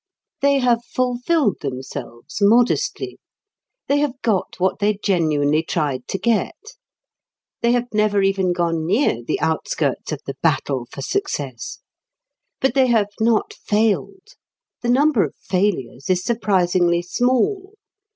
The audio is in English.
They have fulfilled themselves modestly. They have got what they genuinely tried to get. They have never even gone near the outskirts of the battle for success. But they have not failed. The number of failures is surprisingly small.